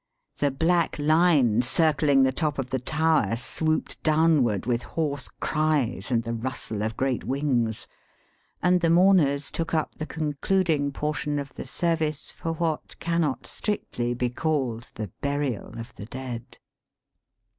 The black line, circling the top of the tower, swooped downward with hoarse cries and the rustle of great wings, and the mourners took up the concluding portion of the service for what cannot strictly be called the burial of the dead.